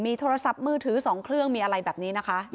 โทรศัพท์มือถือ๒เครื่องมีอะไรแบบนี้นะคะ